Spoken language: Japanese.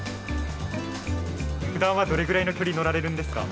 ふだんはどれぐらいの距離乗られるんですか？